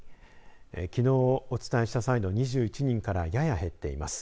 きのうお伝えした際の２１人からやや減っています。